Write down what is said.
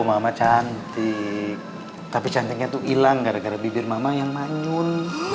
oh mama cantik tapi cantiknya tuh ilang gara gara bibir mama yang manyun